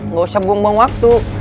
nggak usah buang buang waktu